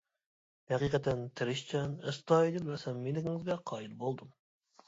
ھەقىقەتەن تىرىشچان، ئەستايىدىل ۋە سەمىمىيلىكىڭىزگە قايىل بولدۇم.